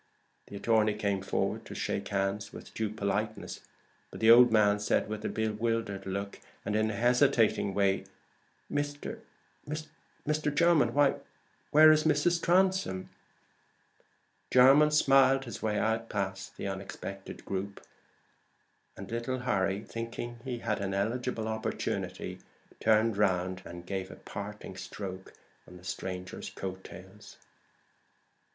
The attorney came forward to shake hands with due politeness, but the old man said, with a bewildered look, and in a hesitating way "Mr. Jermyn? why why where is Mrs. Transome?" Jermyn smiled his way out past the unexpected group; and little Harry, thinking he had an eligible opportunity, turned round to give a parting stroke on the stranger's coat tails.